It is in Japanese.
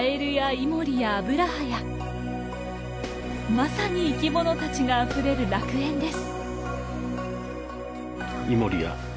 まさに生き物たちがあふれる楽園です。